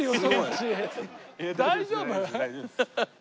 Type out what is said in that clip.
大丈夫？